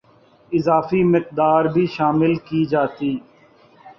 اضافی مقدار بھی شامل کی جاتی